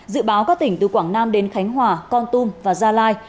dự báo các tỉnh từ quảng nam đến khánh hòa con tum và gia lai